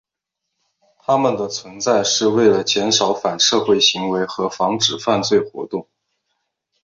他们的存在是为了减少反社会行为和防止犯罪活动。